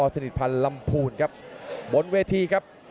สนิทพันธ์ลำพูนครับบนเวทีครับ